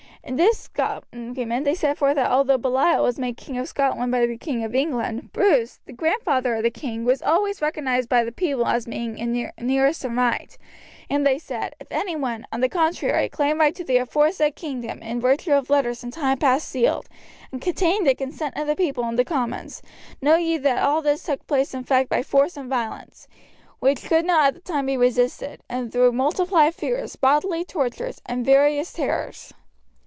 In this document they set forth that although Baliol was made king of Scotland by the King of England, Bruce, the grandfather of the king, was always recognized by the people as being nearest in right; and they said: "If any one, on the contrary, claim right to the aforesaid kingdom in virtue of letters in time passed sealed, and containing the consent of the people and the commons, know ye that all this took place in fact by force and violence, which could not at the time be resisted, and through multiplied fears, bodily tortures, and various terrors."